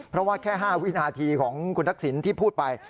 เพราะว่าแค่๕วินาทีของคุณทักษิณที่พูดไป